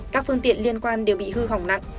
các phương tiện liên quan đều bị hư hỏng nặng